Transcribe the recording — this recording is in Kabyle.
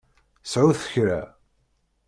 Sɛut kra.